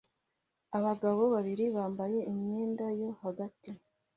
Abagabo babiri bambaye imyenda yo hagati